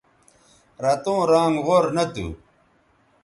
رتوں رانگ غور نہ تھو